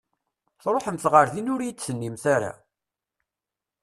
Tṛuḥemt ɣer din ur iyi-d-tennimt ara!